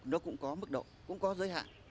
nó cũng có mức độ cũng có giới hạn